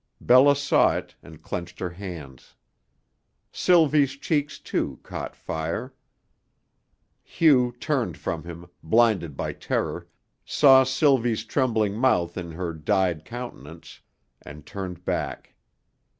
Bella saw it and clenched her hands. Sylvie's cheeks, too, caught fire. Hugh turned from him, blinded by terror, saw Sylvie's trembling mouth in her dyed countenance, and turned back.